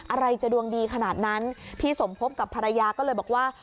อะไรจะดวงดีขนาดนั้นพี่สมพบกับภรรยาก็เลยบอกว่า